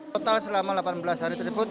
total selama delapan belas hari tersebut